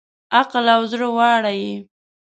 عقل او زړه واړه یې